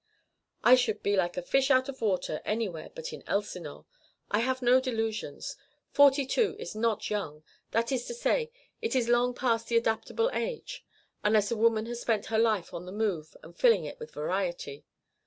"I should be like a fish out of water anywhere but in Elsinore. I have no delusions. Forty two is not young that is to say, it is long past the adaptable age, unless a woman has spent her life on the move and filling it with variety.